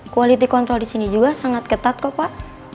kualitas kontrol disini juga sangat ketat kok pak